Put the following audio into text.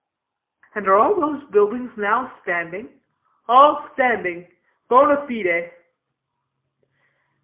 "And are all these buildings now standing?" "All standing bona fide."